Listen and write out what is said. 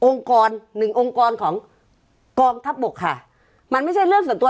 กรหนึ่งองค์กรของกองทัพบกค่ะมันไม่ใช่เรื่องส่วนตัว